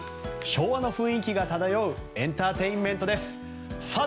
昭和の雰囲気が漂うエンターテインメントです。